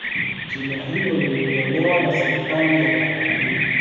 Jina hilo lilitolewa na serikali ya Tanganyika